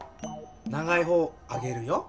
長い方あげるよ。